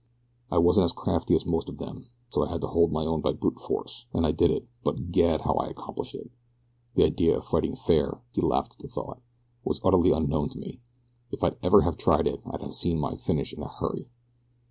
"I wasn't as crafty as most of them, so I had to hold my own by brute force, and I did it; but, gad, how I accomplished it. The idea of fighting fair," he laughed at the thought, "was utterly unknown to me. If I'd ever have tried it I'd have seen my finish in a hurry.